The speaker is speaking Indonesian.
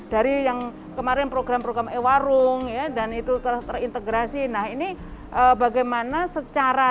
dari yang kemarin program program e warung ya dan itu terintegrasi nah ini bagaimana secara